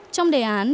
trong đề án